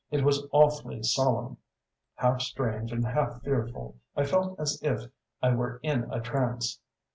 It was awfully solemn; half strange and half fearful. I felt as if I were in a trance."